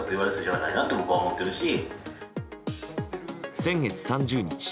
先月３０日。